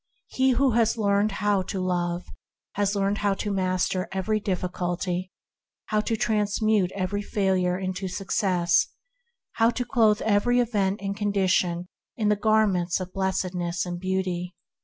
He who has learned how to Love has learned how to master every difficulty, how to transmute every failure into success, how to clothe every event and condition in garments of blessedness and beauty.